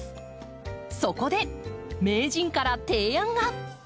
そこで名人から提案が。